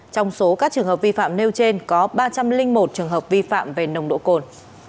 trong số các trường hợp vi phạm nêu trên có ba trăm linh một trường hợp vi phạm về nồng độ cồn